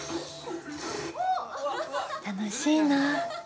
楽しいな。